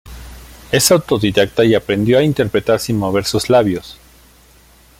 Es autodidacta y aprendió a interpretar sin mover sus labios.